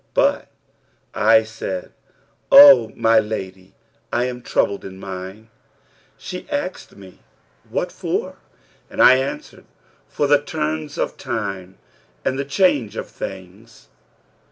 But I said, 'O my lady, I am troubled in mind.' She asked me 'for what?' and I answered, 'For the turns of Time and the change of things.'